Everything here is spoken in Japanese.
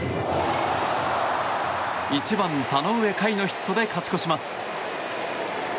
１番、田上夏衣のヒットで勝ち越します。